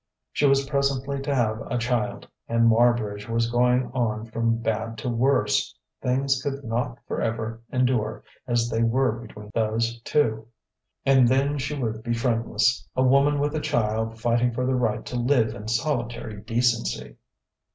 She was presently to have a child; and Marbridge was going on from bad to worse; things could not forever endure as they were between those two. And then she would be friendless, a woman with a child fighting for the right to live in solitary decency....